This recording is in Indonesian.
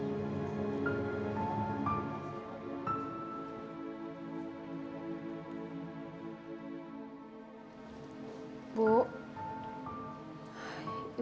aku ingin merasakan kesalahannya terhadap aku dan liya